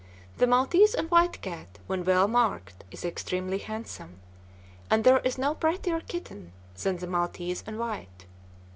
The maltese and white cat when well marked is extremely handsome, and there is no prettier kitten than the maltese and white.